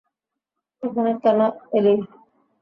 এখানে কেন এলি?